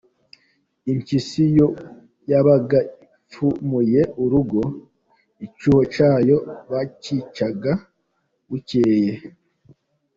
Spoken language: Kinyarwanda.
Impyisi iyo yabaga ipfumuye urugo, icyuho cyayo bacyicaga bucyeye.